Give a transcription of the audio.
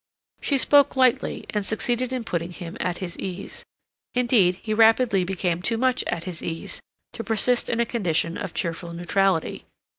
She spoke lightly, and succeeded in putting him at his ease. Indeed, he rapidly became too much at his ease to persist in a condition of cheerful neutrality.